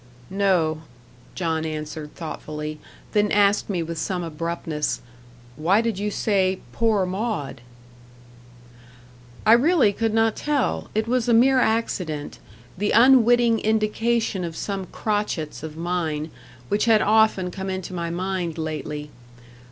"No," John answered thoughtfully; then asked me with some abruptness, "Why did you say 'poor Maud'?" I really could not tell; it was a mere accident, the unwitting indication of some crotchets of mine, which had often come into my mind lately.